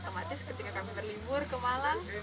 aku menggunakan apel otomatis ketika kami berlimbur ke malang